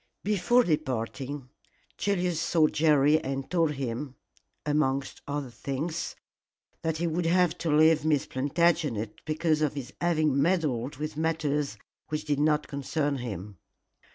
Before departing, Julius saw Jerry and told him amongst other things that he would have to leave Miss Plantagenet because of his having meddled with matters which did not concern him.